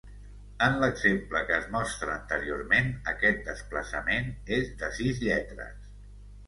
En l'exemple que es mostra anteriorment, aquest desplaçament és de sis lletres.